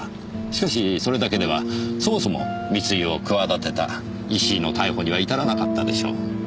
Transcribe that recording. しかしそれだけではそもそも密輸を企てた石井の逮捕には至らなかったでしょう。